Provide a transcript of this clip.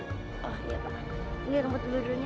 iya pak ini rumput beledronya